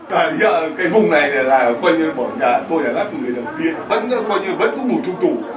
tôi đã bắt người đầu tiên vẫn có mùi thung thủ